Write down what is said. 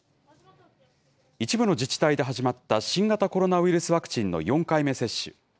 一部の自治体で始まった新型コロナウイルスワクチンの４回目接種。